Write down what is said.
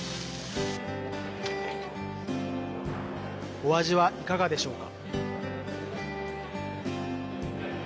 お味はいかがでしょうか。